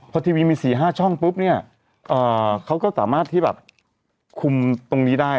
พอทีวีมี๔๕ช่องปุ๊บเนี่ยเขาก็สามารถที่แบบคุมตรงนี้ได้